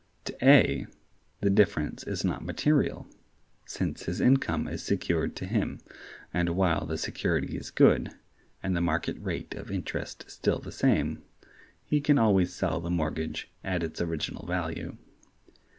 To A, the difference is not material, since his income is secured to him, and while the security is good, and the market rate of interest the same, he can always sell the mortgage at its original value.